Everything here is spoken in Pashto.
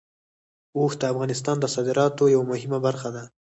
اوښ د افغانستان د صادراتو یوه مهمه برخه ده.